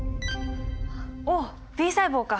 おっＢ細胞か。